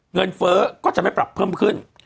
เฟ้อก็จะไม่ปรับเพิ่มขึ้น